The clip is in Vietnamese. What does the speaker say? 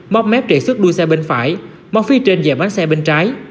móc mép trị xuất đuôi xe bên phải móc phi trên dạy bán xe bên trái